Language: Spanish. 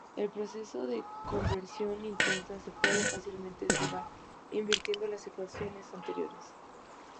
El proceso de conversión inversa se puede fácilmente derivar invirtiendo las ecuaciones anteriores.